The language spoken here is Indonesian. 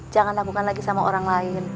jangan lakukan lagi sama orang lain